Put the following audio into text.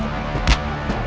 aku mau ke kanjeng itu